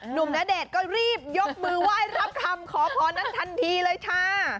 หนุ่มณเดชน์ก็รีบยกมือไหว้รับคำขอพรนั้นทันทีเลยค่ะ